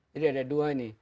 jadi ada dua nih